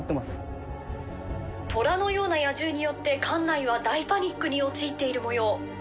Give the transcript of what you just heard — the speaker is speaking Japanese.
虎のような野獣によって館内は大パニックに陥っているもよう。